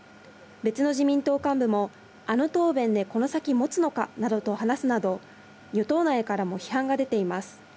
別の自民党幹部もあの答弁でこの先もつのかなどと話すなど、与党内からも批判が出ています。